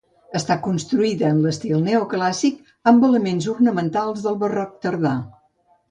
Està construïda en estil neoclàssic amb elements ornamentals del barroc tardà.